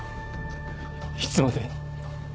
いつまで？